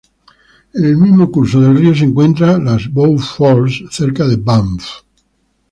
En el mismo curso del río se encuentran las Bow Falls, cerca de Banff.